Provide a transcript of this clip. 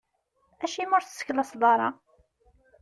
Acimi ur tesseklaseḍ ara?